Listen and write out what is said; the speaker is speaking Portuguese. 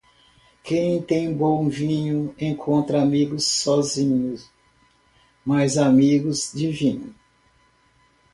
Quem tem bom vinho encontra amigos sozinho, mas amigos de vinho.